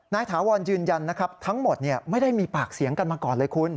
ถาวรยืนยันนะครับทั้งหมดไม่ได้มีปากเสียงกันมาก่อนเลยคุณ